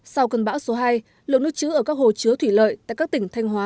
sau cơn bão số hai lượng nước chứa ở các hồ chứa thủy lợi tại các tỉnh thanh hóa